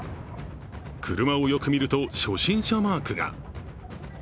車をよく見ると初心者マークが。